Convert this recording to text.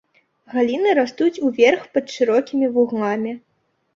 Галіны растуць ўверх пад шырокімі вугламі.